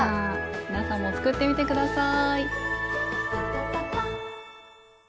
皆さんも作ってみて下さい。